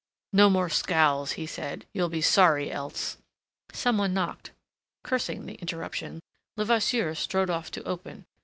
"No more scowls," he said. "You'll be sorry else." Some one knocked. Cursing the interruption, Levasseur strode off to open.